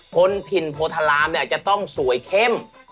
คนถิ่นโพธารามเนี่ยจะต้องสวยเข้ม